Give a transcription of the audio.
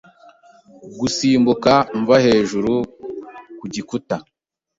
gusimbuka mva hejuru ku gikuta